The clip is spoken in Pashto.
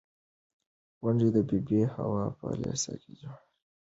غونډه د بي بي حوا په لېسه کې جوړه شوې وه.